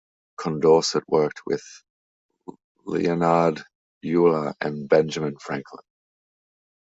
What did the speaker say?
Condorcet worked with Leonhard Euler and Benjamin Franklin.